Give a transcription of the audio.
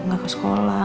ga ke sekolah